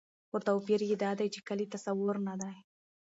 خو توپير يې دا دى، چې کلي تصور نه دى